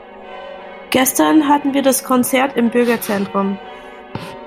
Gestern hatten wir das Konzert im Bürgerzentrum.